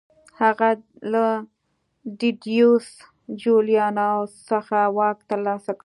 هغه له ډیډیوس جولیانوس څخه واک ترلاسه کړ